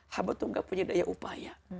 habat tuh gak punya daya upaya